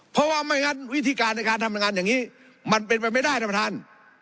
เพราะว่าไม่งั้นวิธีการในการทำงานอย่างนี้มันเป็นไปไม่ได้ท่านประธาน